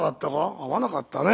「会わなかったね。